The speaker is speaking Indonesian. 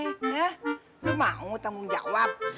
nggak mau tanggung jawab